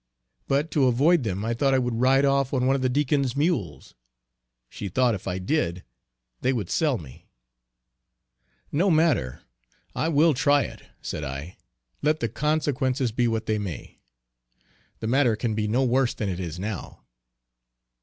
But to avoid them I thought I would ride off on one of the Deacon's mules. She thought if I did, they would sell me. "No matter, I will try it," said I, "let the consequences be what they may. The matter can be no worse than it now is."